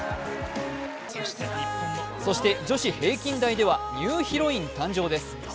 そして、女子平均台ではニューヒロイン誕生です。